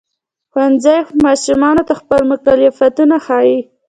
ښوونځی ماشومانو ته خپل مکلفیتونه ښيي.